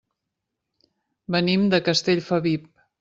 Venim de Castellfabib.